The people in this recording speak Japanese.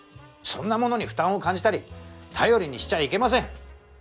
そんなものに負担を感じたり頼りにしちゃいけません。